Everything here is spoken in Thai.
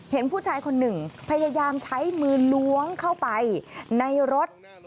เห็นผู้ชายคนหนึ่งพยายามใช้มือล้วงเข้าไปในรถ